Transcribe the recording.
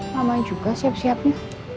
lama juga siap siapnya